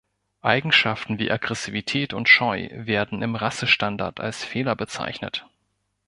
Eigenschaften wie Aggressivität und Scheu werden im Rassestandard als Fehler bezeichnet.